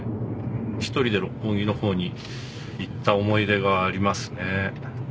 １人で六本木の方に行った思い出がありますね。